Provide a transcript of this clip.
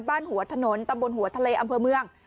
หัวถนนตำบลหัวทะเลอำเภอเมือง